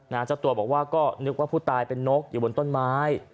เจ้าตัวบอกว่าก็นึกว่าผู้ตายเป็นนกอยู่บนต้นไม้